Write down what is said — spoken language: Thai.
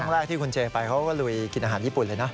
แรกที่คุณเจไปเขาก็ลุยกินอาหารญี่ปุ่นเลยนะ